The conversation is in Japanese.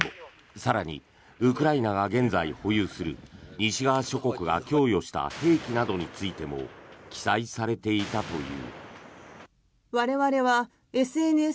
更に、ウクライナが現在保有する西側諸国が供与した兵器などについても記載されていたという。